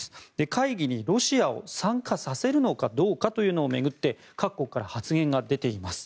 会議にロシアを参加させるのかどうかを巡って各国から発言が出ています。